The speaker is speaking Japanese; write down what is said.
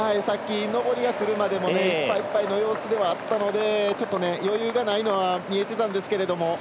上りがくる前もいっぱいいっぱいの様子ではあったので余裕がない様子は見えてたんですけれども。